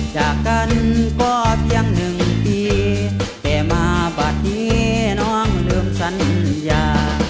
อย่ากันก็เพียงนึงติแต่มะบาทนี่น้องเริ่มสัญญา